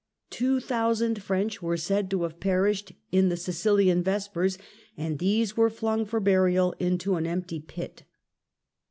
Two thousand French are said to have perished in the Sicilian Vesjjers and these were flung for burial into an empty pit.